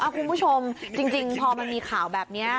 คุณผู้ชมจริงพอมันมีข่าวแบบนี้